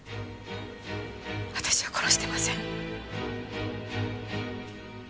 私は殺してません。